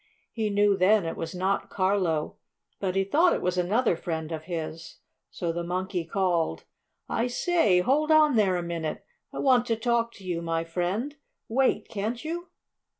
He knew then it was not Carlo, but he thought it was another friend of his, so the Monkey called: "I say! Hold on there a minute! I want to talk to you, my friend! Wait, can't you?"